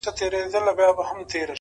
او تر سپين لاس يې يو تور ساعت راتاو دی،